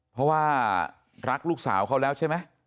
เพราะว่ารักลูกสาวเขาแล้วใช่ไหม